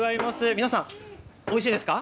皆さん、おいしいですか？